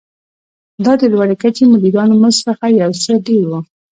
دا د لوړې کچې مدیرانو مزد څخه یو څه ډېر و.